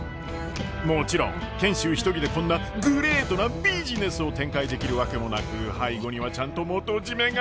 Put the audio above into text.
もちろん賢秀一人でこんなグレイトなビジネスを展開できるわけもなく背後にはちゃんと元締めが。